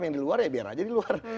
yang di luar ya biar aja di luar